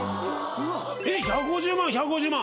１５０万１５０万。